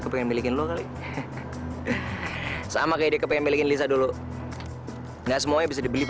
kepengen milikin lu kali sama kayak dia kepen milikin lisa dulu enggak semuanya bisa dibeli